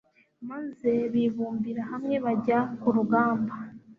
maze bibumbira hamwe bajya ku rugamba